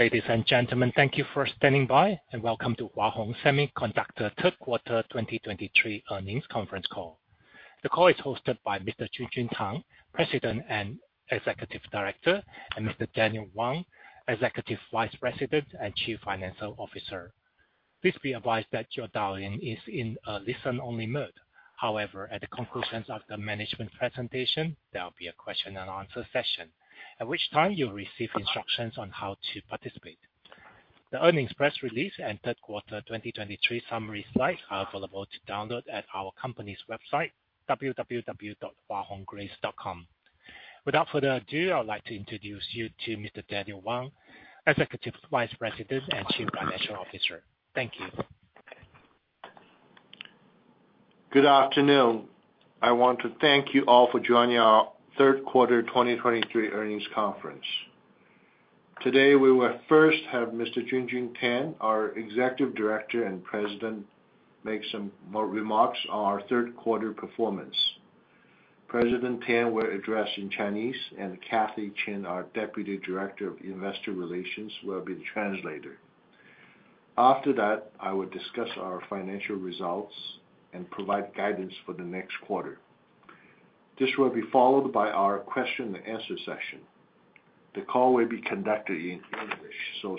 Ladies and gentlemen, thank you for standing by, and welcome to Hua Hong Semiconductor third quarter 2023 earnings conference call. The call is hosted by Mr. Junjun Tang, President and Executive Director, and Mr. Daniel Wang, Executive Vice President and Chief Financial Officer. Please be advised that your dial-in is in a listen-only mode. However, at the conclusion of the management presentation, there will be a question and answer session, at which time you'll receive instructions on how to participate. The earnings press release and third quarter 2023 summary slides are available to download at our company's website, www.huahonggrace.com. Without further ado, I would like to introduce you to Mr. Daniel Wang, Executive Vice President and Chief Financial Officer. Thank you. Good afternoon. I want to thank you all for joining our third quarter 2023 earnings conference. Today, we will first have Mr. Junjun Tang, our Executive Director and President, make some more remarks on our third quarter performance. President Tang will address in Chinese, and Kathy Chien, our Deputy Director of Investor Relations, will be the translator. After that, I will discuss our financial results and provide guidance for the next quarter. This will be followed by our question and answer session. The call will be conducted in English, so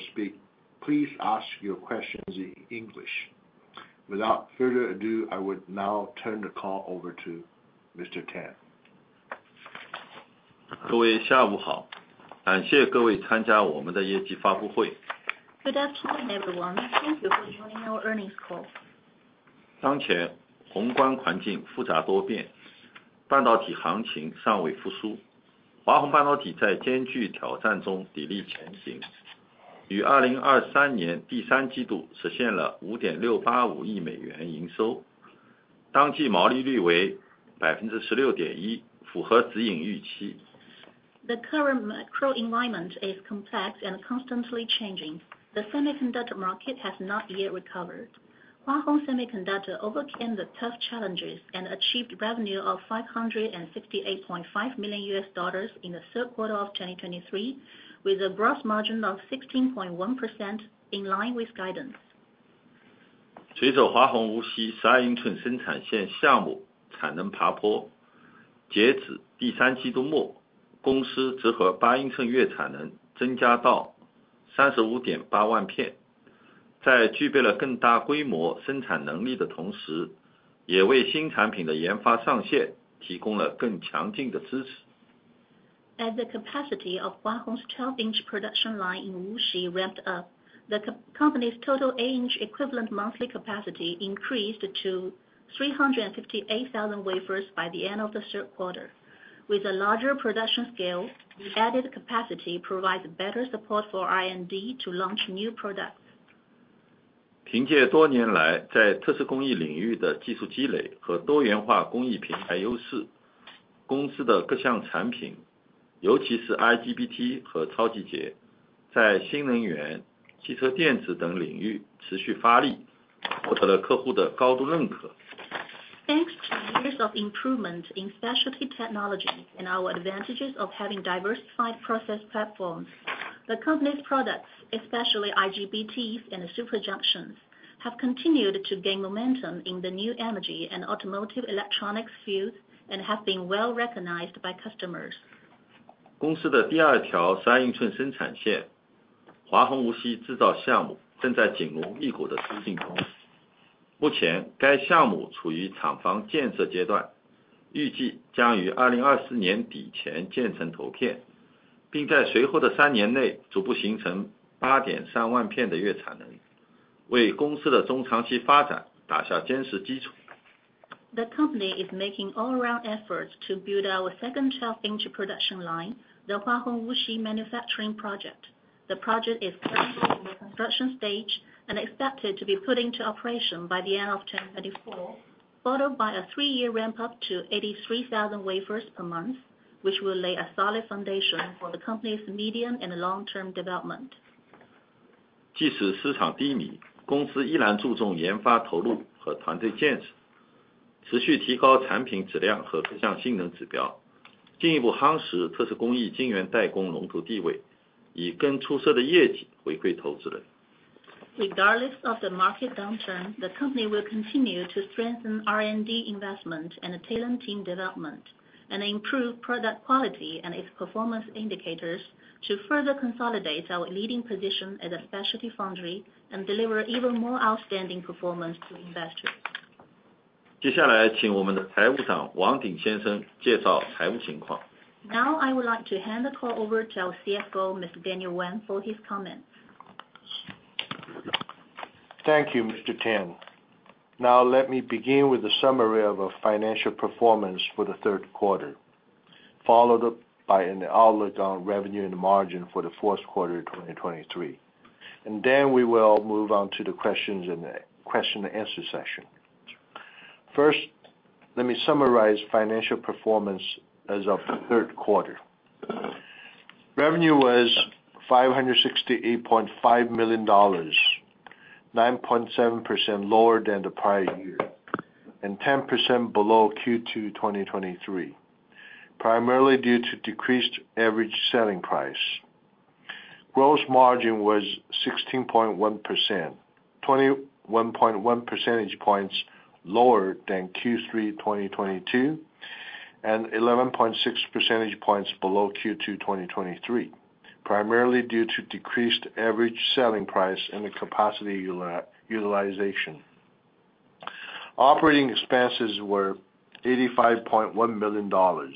please ask your questions in English. Without further ado, I would now turn the call over to Mr. Tang. Good afternoon, everyone. Thank you for joining our earnings call. The current macro environment is complex and constantly changing. The semiconductor market has not yet recovered. Hua Hong Semiconductor overcame the tough challenges and achieved revenue of $568.5 million in the third quarter of 2023, with a gross margin of 16.1% in line with guidance. As the capacity of Hua Hong's 12-inch production line in Wuxi ramped up, the company's total 8-inch equivalent monthly capacity increased to 358,000 wafers by the end of the third quarter. With a larger production scale, the added capacity provides better support for R&D to launch new products. Thanks to years of improvements in specialty technology and our advantages of having diversified process platforms, the company's products, especially IGBTs and Super Junctions, have continued to gain momentum in the new energy and automotive electronics fields and have been well-recognized by customers. The company is making all-around efforts to build our second 12-inch production line, the Hua Hong Wuxi Manufacturing Project. The project is currently in the construction stage and expected to be put into operation by the end of 2024, followed by a three-year ramp up to 83,000 wafers per month, which will lay a solid foundation for the company's medium and long-term development. Regardless of the market downturn, the company will continue to strengthen R&D investment and talent team development, and improve product quality and its performance indicators to further consolidate our leading position as a specialty foundry and deliver even more outstanding performance to investors. Now, I would like to hand the call over to our CFO, Mr. Daniel Wang, for his comments. Thank you, Mr. Tang. Now, let me begin with a summary of our financial performance for the third quarter, followed up by an outlook on revenue and margin for the fourth quarter 2023, and then we will move on to the questions in the question and answer session. First, let me summarize financial performance as of the third quarter. Revenue was $568.5 million, 9.7% lower than the prior year, and 10% below Q2 2023... primarily due to decreased average selling price. Gross margin was 16.1%, 21.1 percentage points lower than Q3 2022, and 11.6 percentage points below Q2 2023, primarily due to decreased average selling price and the capacity utilization. Operating expenses were $85.1 million, 15.6%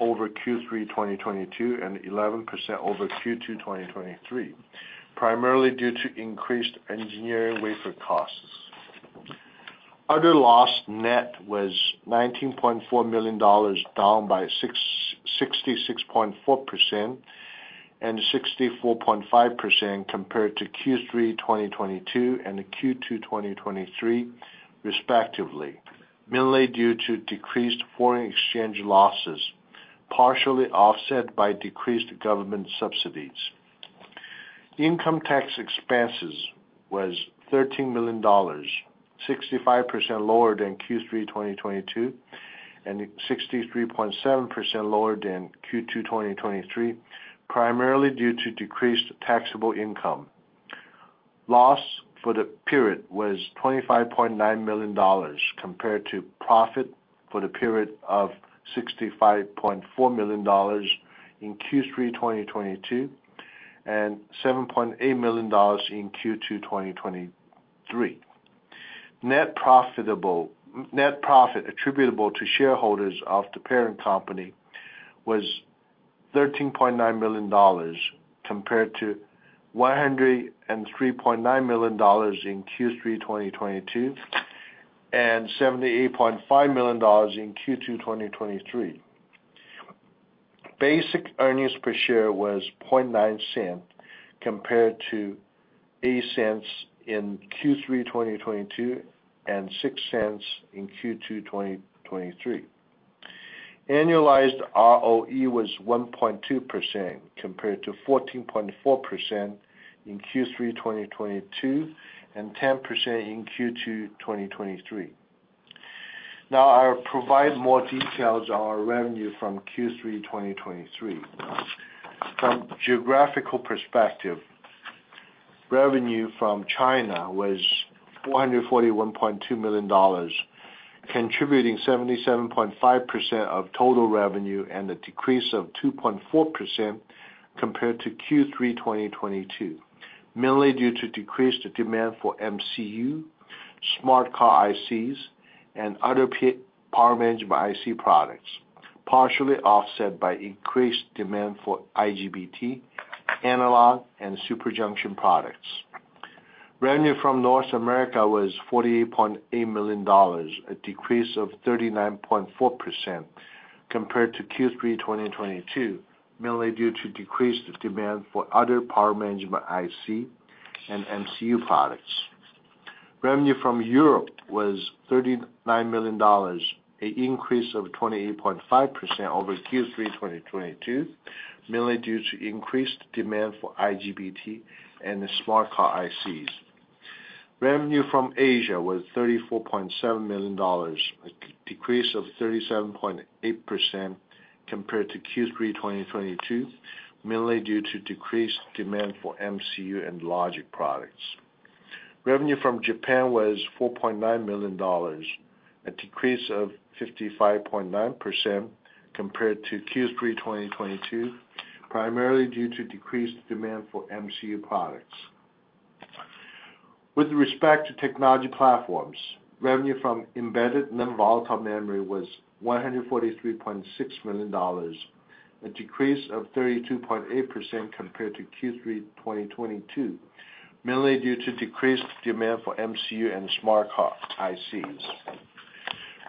over Q3 2022 and 11% over Q2 2023, primarily due to increased engineering wafer costs. Other loss net was $19.4 million, down by 66.4% and 64.5% compared to Q3 2022 and Q2 2023, respectively, mainly due to decreased foreign exchange losses, partially offset by decreased government subsidies. Income tax expenses was $13 million, 65% lower than Q3 2022 and 63.7% lower than Q2 2023, primarily due to decreased taxable income. Loss for the period was $25.9 million, compared to profit for the period of $65.4 million in Q3 2022 and $7.8 million in Q2 2023. Net profit attributable to shareholders of the parent company was $13.9 million, compared to $103.9 million in Q3 2022 and $78.5 million in Q2 2023. Basic earnings per share was $0.009, compared to $0.08 in Q3 2022 and $0.06 in Q2 2023. Annualized ROE was 1.2%, compared to 14.4% in Q3 2022 and 10% in Q2 2023. Now, I'll provide more details on our revenue from Q3 2023. From geographical perspective, revenue from China was $441.2 million, contributing 77.5% of total revenue and a decrease of 2.4% compared to Q3 2022, mainly due to decreased demand for MCU, Smart Card ICs, and other Power Management IC products, partially offset by increased demand for IGBT, Analog, and Super Junction products. Revenue from North America was $48.8 million, a decrease of 39.4% compared to Q3 2022, mainly due to decreased demand for other Power Management IC and MCU products. Revenue from Europe was $39 million, an increase of 28.5% over Q3 2022, mainly due to increased demand for IGBT and Smart Card ICs. Revenue from Asia was $34.7 million, a decrease of 37.8% compared to Q3 2022, mainly due to decreased demand for MCU and Logic products. Revenue from Japan was $4.9 million, a decrease of 55.9% compared to Q3 2022, primarily due to decreased demand for MCU products. With respect to technology platforms, revenue from Embedded Non-Volatile Memory was $143.6 million, a decrease of 32.8% compared to Q3 2022, mainly due to decreased demand for MCU and Smart Card ICs.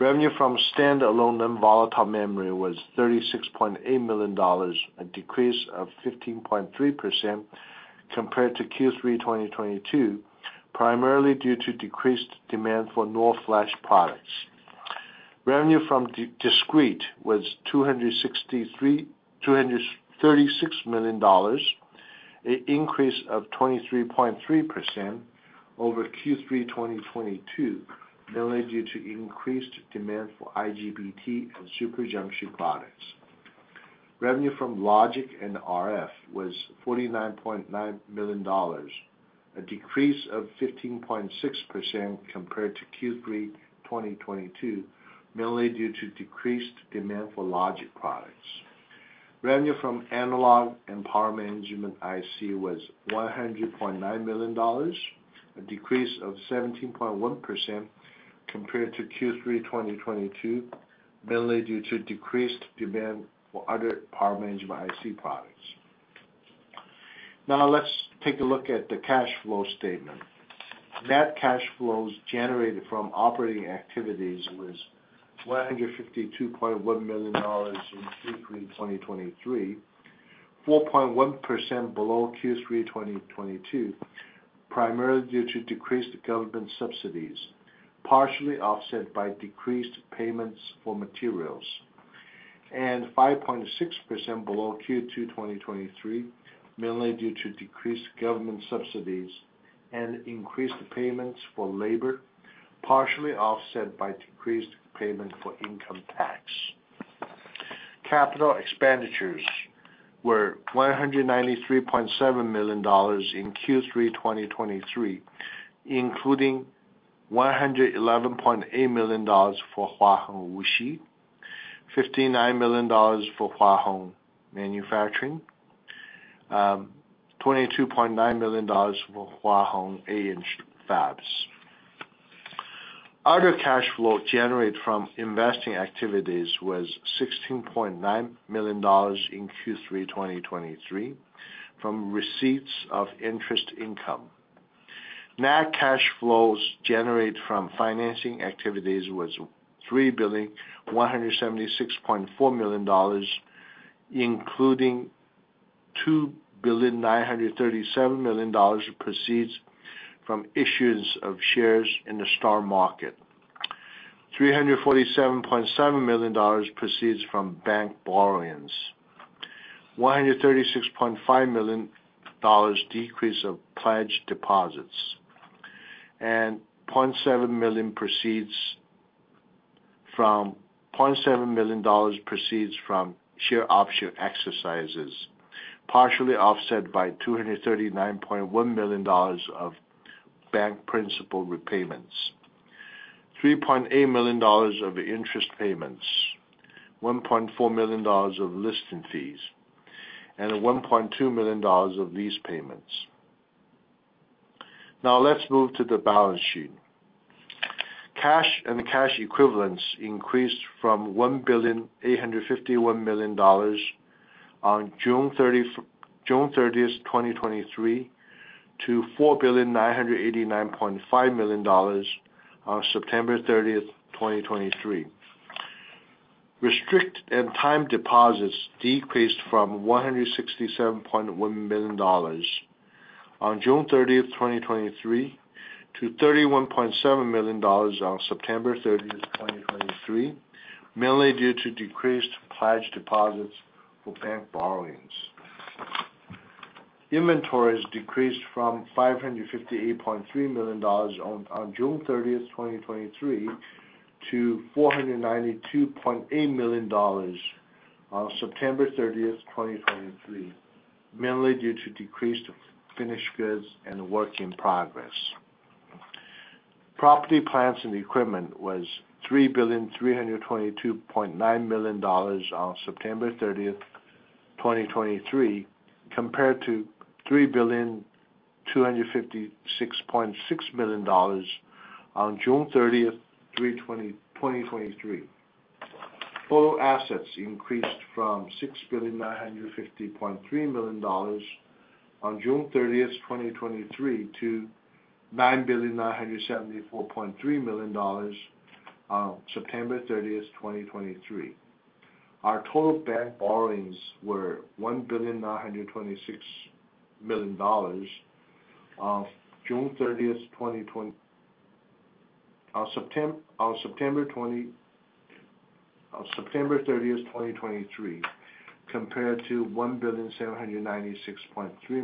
Revenue from Standalone Non-Volatile Memory was $36.8 million, a decrease of 15.3% compared to Q3 2022, primarily due to decreased demand for NOR Flash products. Revenue from Discrete was $236 million, an increase of 23.3% over Q3 2022, mainly due to increased demand for IGBT and Super Junction products. Revenue from Logic and RF was $49.9 million, a decrease of 15.6% compared to Q3 2022, mainly due to decreased demand for Logic products. Revenue from Analog and Power Management IC was $100.9 million, a decrease of 17.1% compared to Q3 2022, mainly due to decreased demand for other Power Management IC products. Now, let's take a look at the cash flow statement. Net cash flows generated from operating activities was $152.1 million in Q3 2023, 4.1% below Q3 2022, primarily due to decreased government subsidies, partially offset by decreased payments for materials.... 5.6% below Q2 2023, mainly due to decreased government subsidies and increased payments for labor, partially offset by decreased payment for income tax. Capital expenditures were $193.7 million in Q3 2023, including $111.8 million for Hua Hong Wuxi, $59 million for Hua Hong Manufacturing, $22.9 million for Hua Hong 8-inch fabs. Other cash flow generated from investing activities was $16.9 million in Q3 2023, from receipts of interest income. Net cash flows generated from financing activities was $3,176.4 million, including $2,937 million proceeds from issues of shares in the STAR Market. $347.7 million proceeds from bank borrowings $136.5 million decrease of pledged deposits, and $0.7 million proceeds from share option exercises, partially offset by $239.1 million of bank principal repayments, $3.8 million of interest payments, $1.4 million of listing fees, and $1.2 million of lease payments. Now, let's move to the balance sheet. Cash and cash equivalents increased from $1,851 million on June 30th, 2023, to $4,989.5 million on September 30th, 2023. Restricted and time deposits decreased from $167.1 million on June 30th, 2023, to $31.7 million on September 30th, 2023, mainly due to decreased pledged deposits for bank borrowings. Inventories decreased from $558.3 million on June 30th, 2023, to $492.8 million on September 30th, 2023, mainly due to decreased finished goods and work in progress. Property, plant, and equipment was $3,322.9 million on September 30, 2023, compared to $3,256.6 million on June 30th, 2023. Total assets increased from $6,950.3 million on June 30th, 2023, to $9,974.3 million on September 30th, 2023. Our total bank borrowings were $1.926 billion on June 30th, 2023, compared to $1.796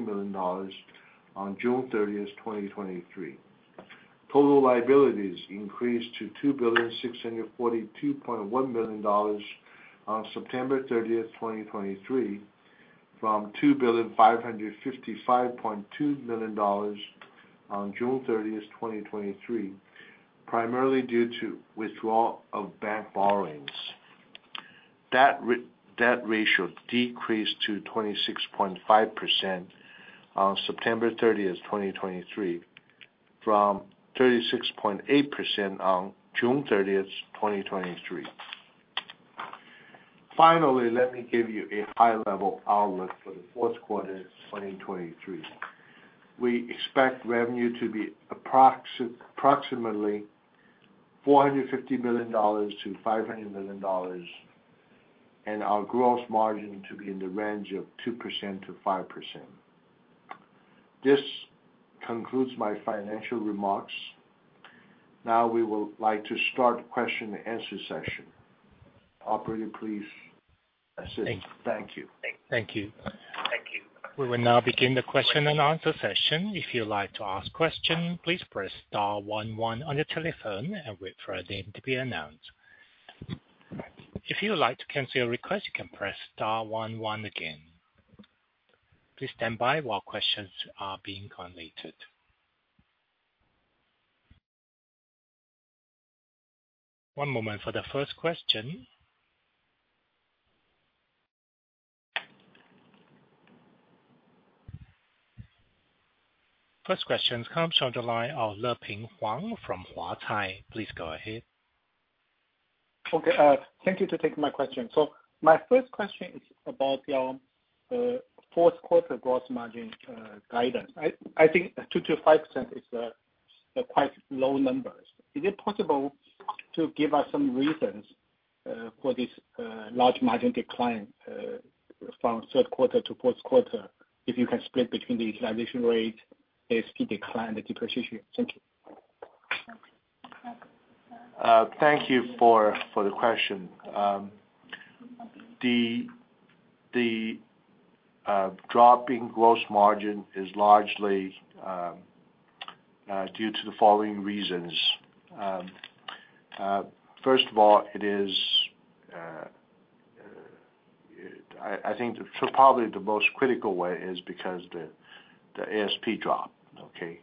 billion on June 30th, 2023. Total liabilities increased to $2.642 billion on September 30th, 2023, from $2.555 billion on June 30th, 2023, primarily due to withdrawal of bank borrowings. Debt ratio decreased to 26.5% on September 30th, 2023, from 36.8% on June 30th, 2023. Finally, let me give you a high-level outlook for the fourth quarter of 2023. We expect revenue to be approximately $450 million-$500 million, and our gross margin to be in the range of 2%-5%. This concludes my financial remarks. Now, we will like to start the question and answer session. Operator, please assist. Thank you. Thank you. We will now begin the question and answer session. If you'd like to ask question, please press star one one on your telephone and wait for your name to be announced. If you would like to cancel your request, you can press star one one again. Please stand by while questions are being collated. One moment for the first question. First question comes from the line of Leping Huang from Huatai. Please go ahead. Okay, thank you to take my question. So my first question is about your fourth quarter gross margin guidance. I think 2%-5% is a quite low numbers. Is it possible to give us some reasons for this large margin decline from third quarter to fourth quarter? If you can split between the utilization rate, SP decline, and depreciation. Thank you. Thank you for the question. The dropping gross margin is largely due to the following reasons. First of all, I think probably the most critical way is because the ASP drop, okay?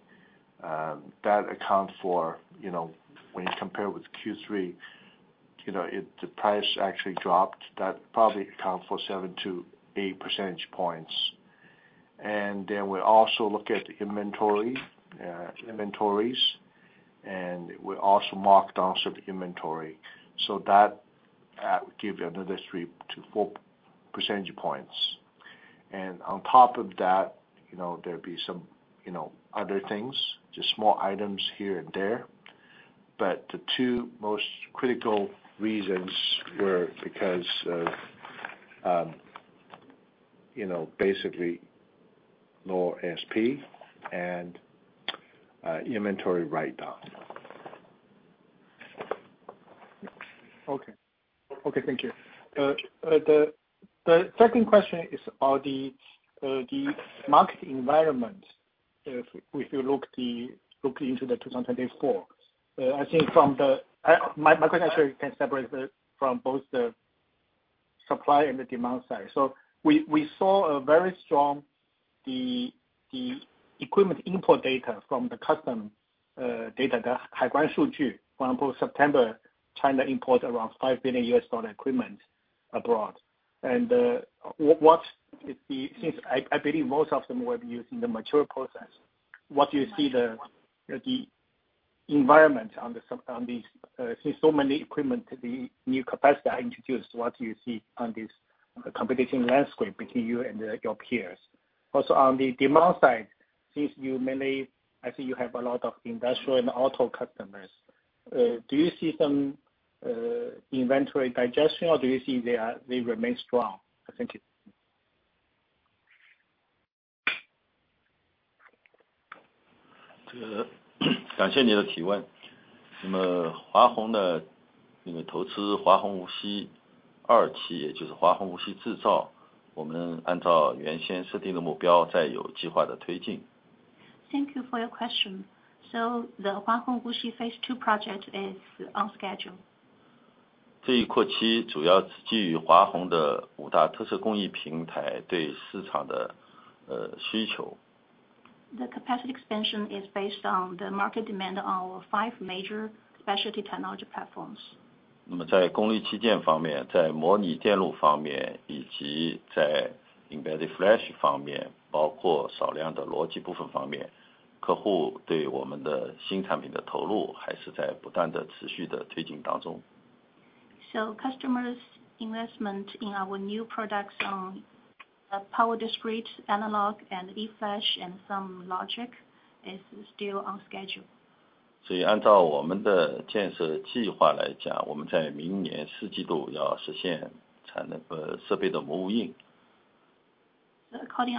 That accounts for, you know, when you compare with Q3, you know, it, the price actually dropped. That probably account for 7 percentage points-8 percentage points. And then we also look at the inventory, inventories, and we also marked down some inventory. So that give you another 3 percentage points-4 percentage points. And on top of that, you know, there'd be some, you know, other things, just small items here and there. But the two most critical reasons were because of, you know, basically lower ASP and inventory write down. Okay. Okay, thank you. The second question is about the market environment. If you look into 2024, I think my question actually can separate from both the supply and the demand side. So we saw a very strong equipment import data from the customs data, for example, September, China import around $5 billion equipment abroad. And what is the... Since I believe most of them were using the mature process, what do you see the environment on the some, on these, since so many equipment, the new capacity introduced, what do you see on this competition landscape between you and your peers? Also, on the demand side, since you mainly, I think you have a lot of industrial and auto customers, do you see some inventory digestion, or do you see they are- they remain strong? Thank you. Thank you for your question. So the Hua Hong Wuxi phase II project is on schedule. The capacity expansion is based on the market demand on our five major specialty technology platforms. So customers' investment in our new products on Power Discrete, Analog, and eFlash and some Logic is still on schedule. According to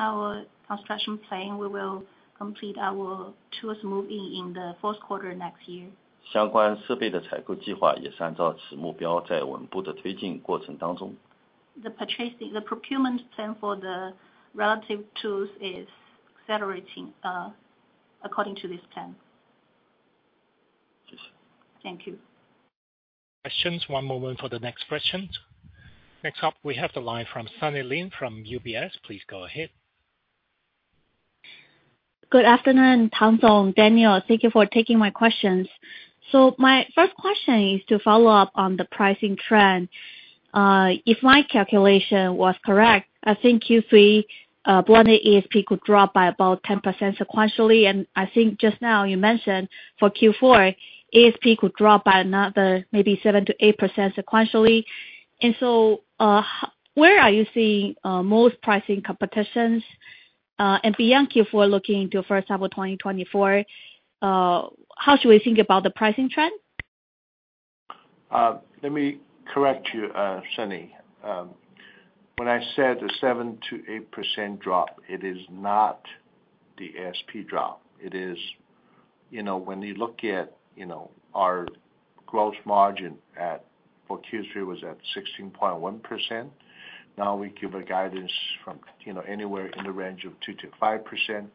our construction plan, we will complete our tools move-in in the fourth quarter next year. The purchasing, the procurement plan for the relevant tools is accelerating according to this plan. Thank you. Questions. One moment for the next question. Next up, we have the line from Sunny Lin, from UBS. Please go ahead. Good afternoon, Junjun Tang, Daniel Wang. Thank you for taking my questions. So my first question is to follow up on the pricing trend. If my calculation was correct, I think Q3 blended ASP could drop by about 10% sequentially, and I think just now you mentioned for Q4, ASP could drop by another maybe 7%-8% sequentially. So, where are you seeing most pricing competitions? And beyond Q4, looking into first half of 2024, how should we think about the pricing trend? Let me correct you, Sunny. When I said the 7%-8% drop, it is not the ASP drop. It is, you know, when you look at, you know, our gross margin at, for Q3 was at 16.1%. Now, we give a guidance from, you know, anywhere in the range of 2%-5%.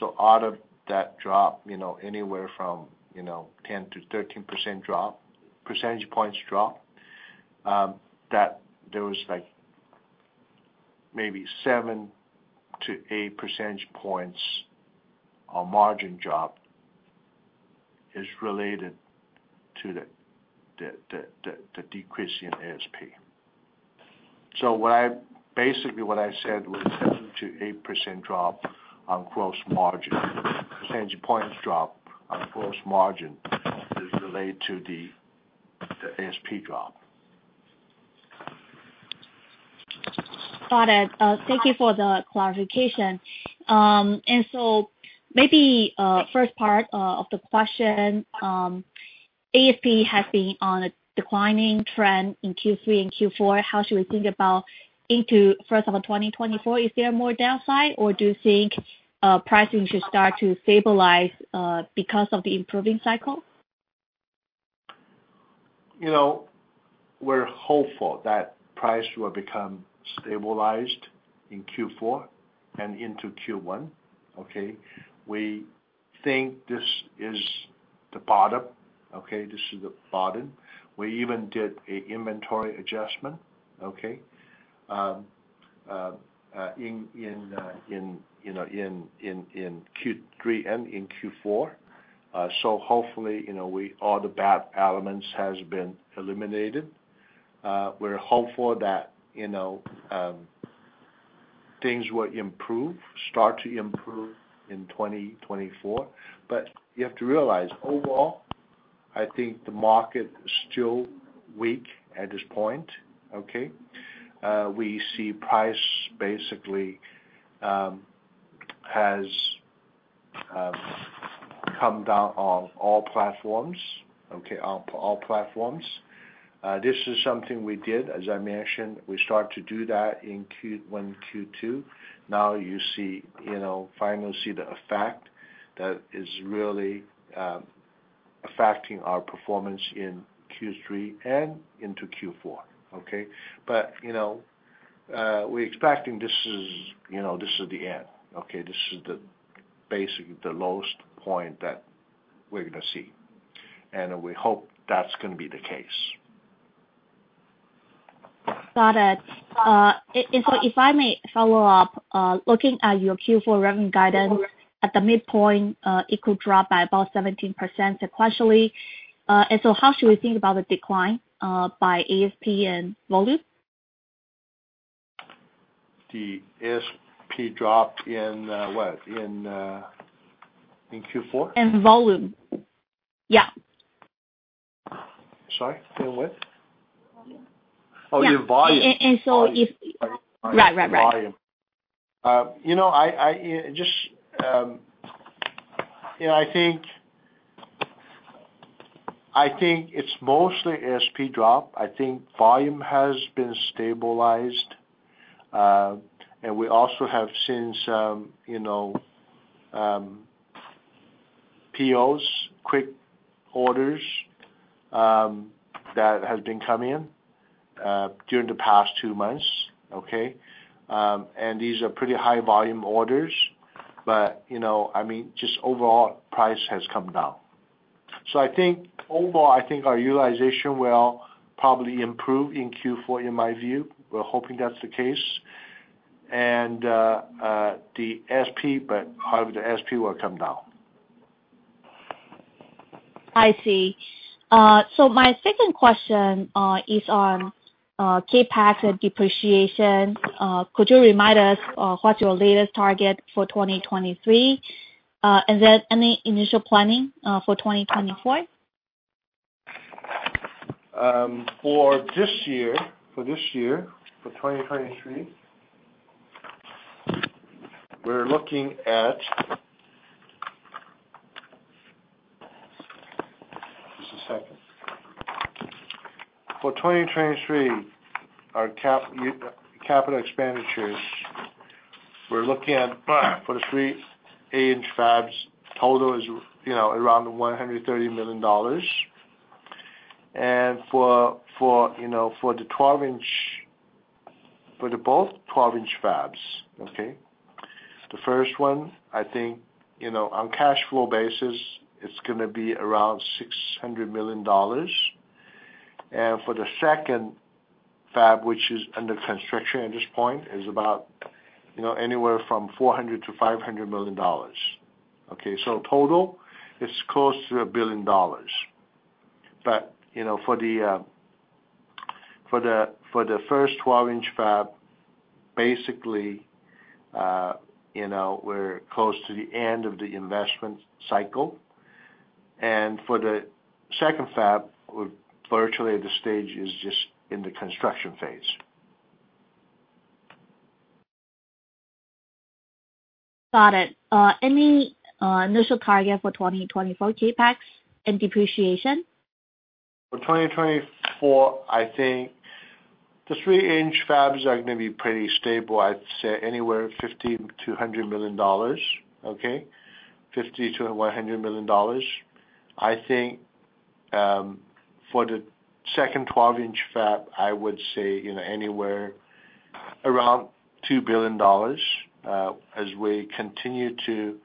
So out of that drop, you know, anywhere from, you know, 10%-13% drop, percentage points drop, that there was, like, maybe 7 percentage points-8 percentage points on margin drop is related to the decrease in ASP. So what I, basically, what I said was 7%-8% drop on gross margin. Percentage points drop on gross margin is related to the ASP drop. Got it. Thank you for the clarification. And so maybe, first part, of the question, ASP has been on a declining trend in Q3 and Q4. How should we think about into first of all, 2024? Is there more downside, or do you think, pricing should start to stabilize, because of the improving cycle? You know, we're hopeful that price will become stabilized in Q4 and into Q1, okay? We think this is the bottom, okay? This is the bottom. We even did a inventory adjustment, okay, you know, in Q3 and in Q4. So hopefully, you know, we all the bad elements has been eliminated. We're hopeful that, you know, things will improve, start to improve in 2024. But you have to realize, overall, I think the market is still weak at this point, okay? We see price basically has come down on all platforms, okay, on all platforms. This is something we did. As I mentioned, we start to do that in Q1, Q2. Now you see, you know, finally see the effect that is really affecting our performance in Q3 and into Q4, okay? But, you know, we're expecting this is, you know, this is the end, okay? This is the, basically, the lowest point that we're gonna see, and we hope that's gonna be the case. Got it. And so if I may follow up, looking at your Q4 revenue guidance, at the midpoint, it could drop by about 17% sequentially. And so how should we think about the decline, by ASP and volume? The ASP drop in what? In Q4? In volume. Yeah. Sorry, in what? Volume. Oh, in volume. Yeah. And so if... Right. Right, right. Volume. You know, I just, you know, I think it's mostly ASP drop. I think volume has been stabilized, and we also have seen some, you know, POs, quick orders, that has been coming in during the past two months, okay? And these are pretty high volume orders, but, you know, I mean, just overall price has come down. So I think, overall, I think our utilization will probably improve in Q4, in my view. We're hoping that's the case. And the ASP, but part of the ASP will come down. I see. So my second question is on CapEx and depreciation. Could you remind us what's your latest target for 2023? And then any initial planning for 2024? For this year, for this year, for 2023, we're looking at... Just a second. For 2023, our capital expenditures, we're looking at, for the three 8-inch fabs, total is, you know, around $130 million. And for, you know, for the 12-inch, for both 12-inch fabs, okay? The first one, I think, you know, on cash flow basis, it's gonna be around $600 million. And for the second fab, which is under construction at this point, is about, you know, anywhere from $400 million-$500 million, okay? So total, it's close to $1 billion. But, you know, for the first 12-inch fab, basically, you know, we're close to the end of the investment cycle. For the second fab, we're virtually at the stage is just in the construction phase. Got it. Any initial target for 2024 CapEx and depreciation? For 2024, I think the 8-inch fabs are gonna be pretty stable. I'd say anywhere $50 million-$100 million, okay? $50 million-$100 million. I think, for the second 12-inch fab, I would say, you know, anywhere around $2 billion, as we continue to,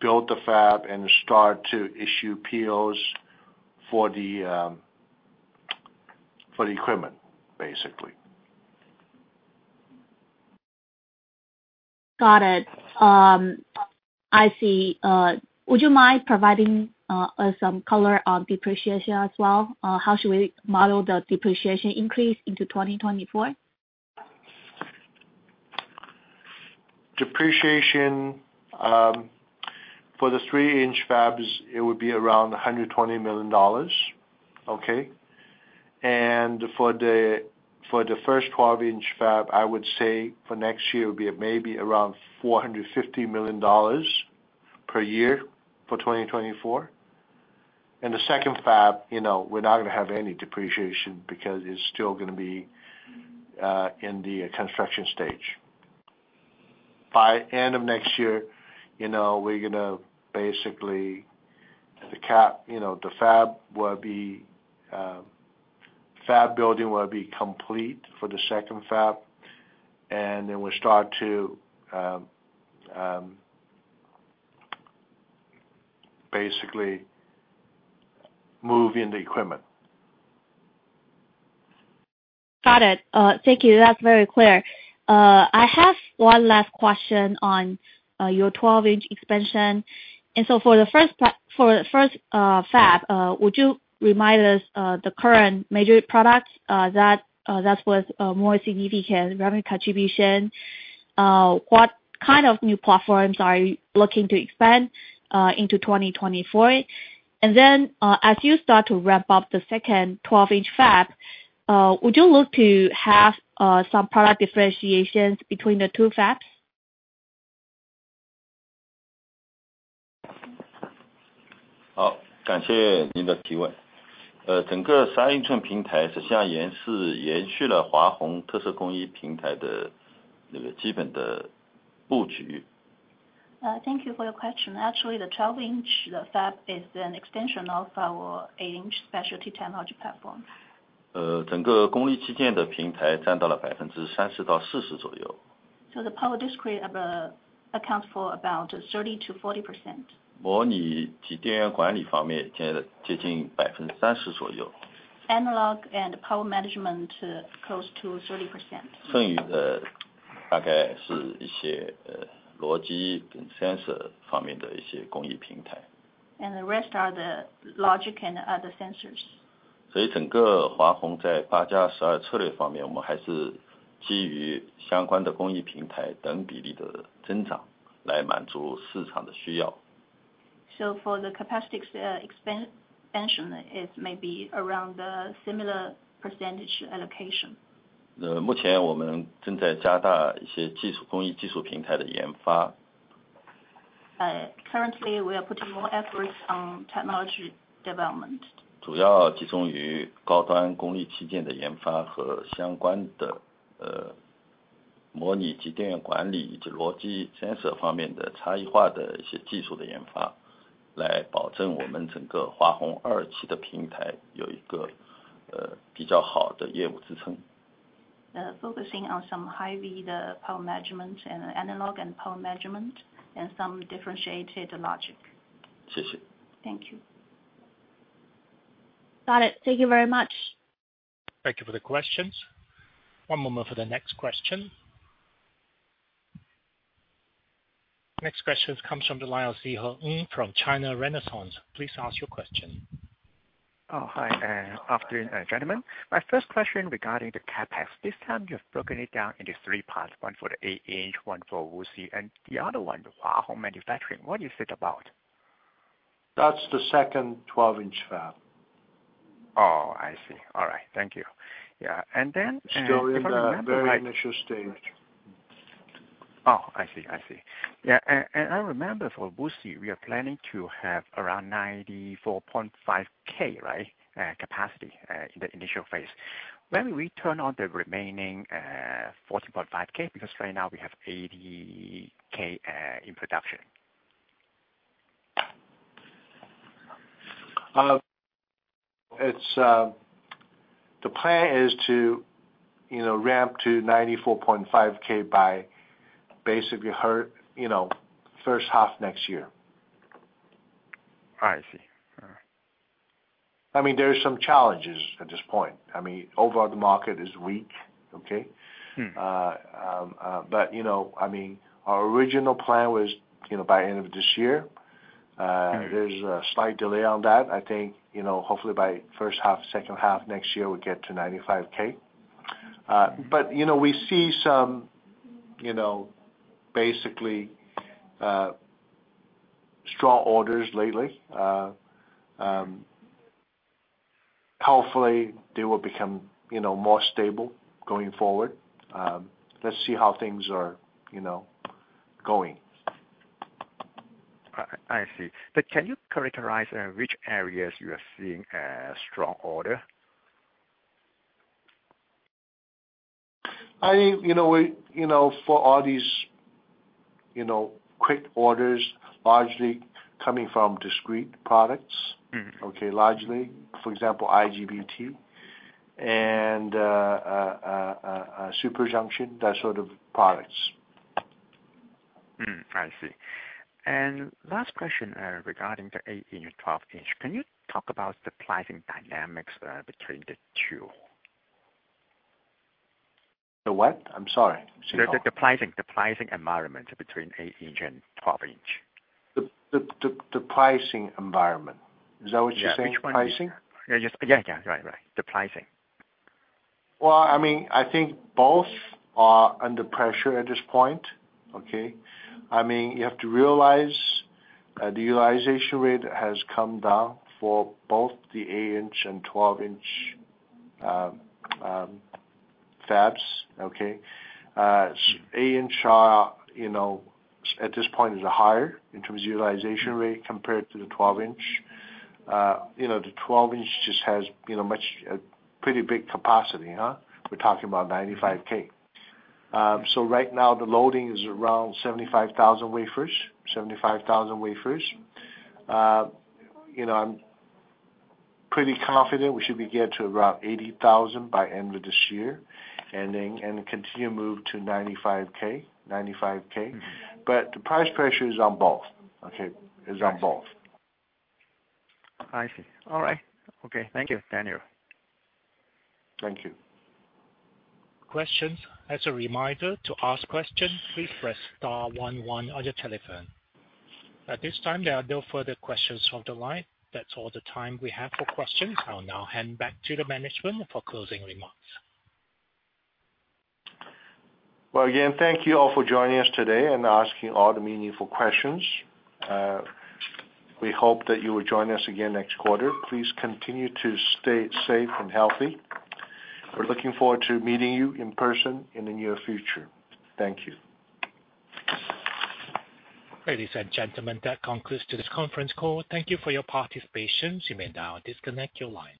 build the fab and start to issue POs for the, for the equipment, basically. Got it. I see. Would you mind providing some color on depreciation as well? How should we model the depreciation increase into 2024? Depreciation for the 8-inch fabs, it would be around $120 million, okay? And for the first 12-inch fab, I would say for next year, it would be maybe around $450 million per year for 2024. And the second fab, you know, we're not gonna have any depreciation, because it's still gonna be in the construction stage. By end of next year, you know, we're gonna basically, the CapEx, you know, the fab will be fab building will be complete for the second fab, and then we'll start to basically move in the equipment. Got it. Thank you. That's very clear. I have one last question on your 12-inch expansion. And so for the first part, for the first fab, would you remind us the current major products that that's with more significant revenue contribution? What kind of new platforms are you looking to expand into 2024? And then, as you start to ramp up the second 12-inch fab, would you look to have some product differentiations between the two fabs? Thank you for your question. Actually, the 12-inch fab is an extension of our 8-inch specialty technology platform. So the Power Discrete of accounts for about 30%-40%. Analog and Power Management close to 30%. And the rest are the Logic and other sensors. So for the capacity expansion, it may be around the similar percentage allocation. Currently, we are putting more efforts on technology development. Focusing on some highly, the Power Management and Analog and Power Management, and some differentiated Logic. Thank you. Got it. Thank you very much. Thank you for the questions. One moment for the next question. Next question comes from the line of Szeho Ng from China Renaissance. Please ask your question. Oh, hi, afternoon, gentlemen. My first question regarding the CapEx. This time you have broken it down into three parts, one for the 8-inch, one for Wuxi, and the other one, the Hua Hong Manufacturing. What is it about? That's the second 12-inch fab. Oh, I see. All right. Thank you. Yeah, and then- Still in the very initial stage. Oh, I see. I see. Yeah, and, and I remember for Wuxi, we are planning to have around 94,500, right, capacity, in the initial phase. When will we turn on the remaining, 14,500? Because right now we have 80,000 in production. It's the plan is to, you know, ramp to 94,500 by basically, you know, first half next year. I see. All right. I mean, there are some challenges at this point. I mean, overall, the market is weak, okay? Mm. You know, I mean, our original plan was, you know, by end of this year. Right. There's a slight delay on that. I think, you know, hopefully by first half, second half next year, we'll get to 95,000. But, you know, we see some, you know, basically, strong orders lately. Hopefully, they will become, you know, more stable going forward. Let's see how things are, you know, going. I see. But can you characterize which areas you are seeing a strong order? I think, you know, we, you know, for all these, you know, quick orders largely coming from Discrete products. Mm-hmm. Okay, largely, for example, IGBT and a Super Junction, that sort of products. Mm, I see. And last question, regarding the 8-inch, 12-inch. Can you talk about the pricing dynamics between the two? The what? I'm sorry, Szeho Ng. The pricing environment between 8-inch and 12-inch. The pricing environment. Is that what you're saying? Yeah. Pricing? Yeah. Just, yeah, yeah. Right, right. The pricing. Well, I mean, I think both are under pressure at this point, okay? I mean, you have to realize, the utilization rate has come down for both the 8-inch and 12-inch, fabs, okay?8-inch are, you know, at this point, is higher in terms of utilization rate compared to the 12-inch. You know, the 12-inch just has, you know, much, a pretty big capacity, huh? We're talking about 95,000. So right now, the loading is around 75,000 wafers, 75,000 wafers. You know, I'm pretty confident we should be get to around 80,000 by end of this year, and then, and continue to move to 95,000, 95,000. Mm-hmm. But the price pressure is on both, okay? Got it. Is on both. I see. All right. Okay. Thank you, Daniel. Thank you. Questions. As a reminder, to ask questions, please press star one one on your telephone. At this time, there are no further questions from the line. That's all the time we have for questions. I'll now hand back to the management for closing remarks. Well, again, thank you all for joining us today and asking all the meaningful questions. We hope that you will join us again next quarter. Please continue to stay safe and healthy. We're looking forward to meeting you in person in the near future. Thank you. Ladies and gentlemen, that concludes today's conference call. Thank you for your participation. You may now disconnect your lines.